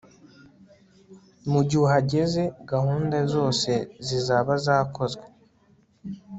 mugihe uhageze, gahunda zose zizaba zakozwe